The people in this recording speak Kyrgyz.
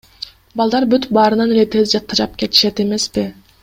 Балдар бүт баарынан эле тез тажап кетишет эмеспи.